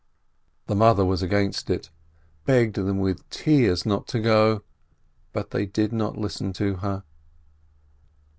The mother was against it, begged them with tears not to go, but they did not listen to her.